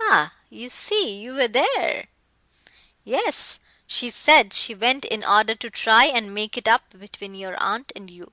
"Ah! you see, you were there. Yes, she said she went in order to try and make it up between your aunt and you.